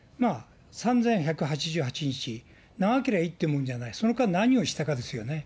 ３１８８日、長けりゃいいっていうもんじゃない、その間、何をしたかですよね。